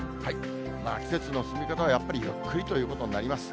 季節の進み方はやっぱりゆっくりということになります。